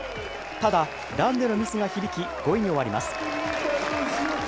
ただ、ランでのミスが響き、５位に終わります。